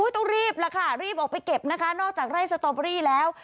ต้องรีบแล้วค่ะรีบออกไปเก็บนะคะนอกจากไร่สตอเบอรี่แล้ว